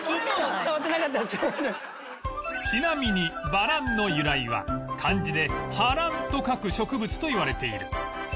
ちなみにバランの由来は漢字で葉蘭と書く植物といわれている